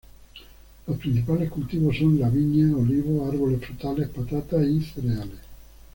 Los principales cultivos son la viña, olivos, árboles frutales, patatas y cereales.